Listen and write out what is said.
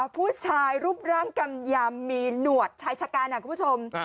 ผู้ชายรูปร่างกำยำมีหนวดชายชะกันคุณผู้ชม